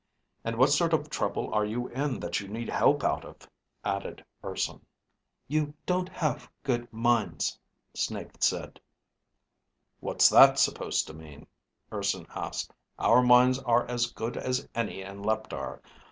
"And what sort of trouble are you in that you need help out of it?" added Urson. You ... don't ... have ... good ... minds, Snake said. "What's that supposed to mean?" Urson asked. "Our minds are as good as any in Leptar.